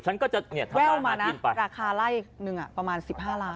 ฉันก็จะแว่วมานะราคาไล่หนึ่งประมาณ๑๕ล้าน